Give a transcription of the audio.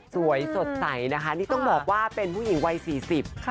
สวยสดใสนะคะนี่ต้องบอกว่าเป็นผู้หญิงวัยสี่สิบค่ะ